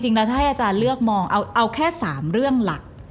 จริงแล้วถ้าให้อาจารย์เลือกมองเอาแค่๓เรื่องหลัก